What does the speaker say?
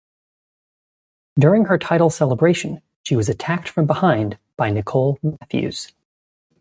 During her title celebration, she was attacked from behind by Nicole Matthews.